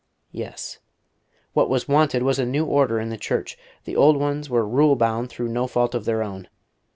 Yes; what was wanted was a new Order in the Church; the old ones were rule bound through no fault of their own.